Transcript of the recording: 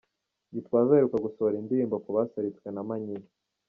Gitwaza aheruka gusohora indirimbo ku basaritswe na manyinya.